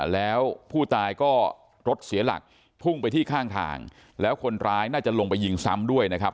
แล้วผู้ตายก็รถเสียหลักพุ่งไปที่ข้างทางแล้วคนร้ายน่าจะลงไปยิงซ้ำด้วยนะครับ